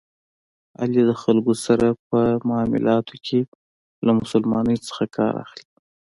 علي د خلکو سره په معاملاتو کې له مسلمانی څخه کار اخلي.